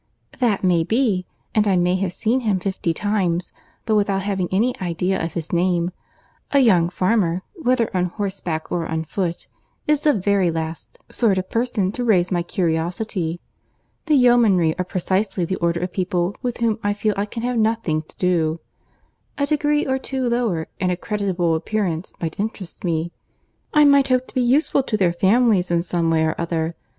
"That may be, and I may have seen him fifty times, but without having any idea of his name. A young farmer, whether on horseback or on foot, is the very last sort of person to raise my curiosity. The yeomanry are precisely the order of people with whom I feel I can have nothing to do. A degree or two lower, and a creditable appearance might interest me; I might hope to be useful to their families in some way or other.